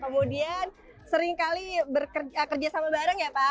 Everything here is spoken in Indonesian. kemudian seringkali kerja sama bareng ya pak